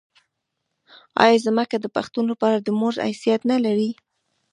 آیا ځمکه د پښتون لپاره د مور حیثیت نلري؟